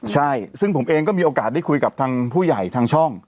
ใช่ซึ่งผมเองก็มีโอกาสได้คุยกับทางผู้ใหญ่ทางช่อง